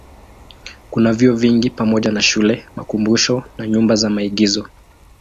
Kuna vyuo vingi pamoja na shule, makumbusho na nyumba za maigizo.